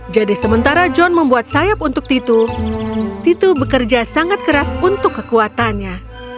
jadi sementara john membuat sayap untuk titu titu bekerja sangat keras untuk kekuatannya